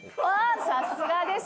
さすがです。